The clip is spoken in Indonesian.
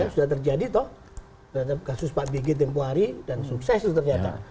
sudah terjadi toh terhadap kasus pak bg tempohari dan sukses itu ternyata